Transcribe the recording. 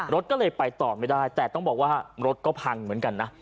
รถก็เลยไปต่อไม่ได้แต่ต้องบอกว่ารถก็พังเหมือนกันนะ